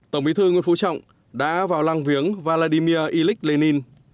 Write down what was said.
tổng bí thư nguyễn phú trọng đã vào lăng viếng vladimir ilyich lenin